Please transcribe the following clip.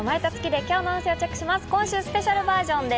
今週はスペシャルバージョンです。